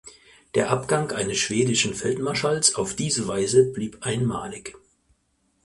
Der Abgang eines schwedischen Feldmarschalls auf diese Weise blieb einmalig.